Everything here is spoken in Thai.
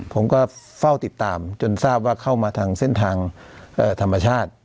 ผมก็เฝ้าติดตามจนทราบว่าเข้ามาทางเส้นทางธรรมชาติ